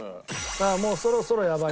さあもうそろそろやばいぞ。